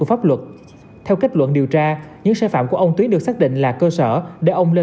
pháp luật theo kết luận điều tra những sai phạm của ông tuyến được xác định là cơ sở để ông lên